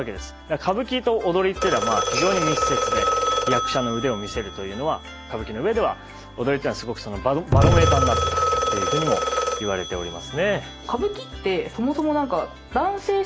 歌舞伎と踊りっていうのは非常に密接で役者の腕を見せるというのは歌舞伎の上では踊りっていうのはすごくバロメーターになってたというふうにも言われておりますね。